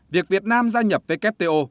việc việt nam gia nhập wto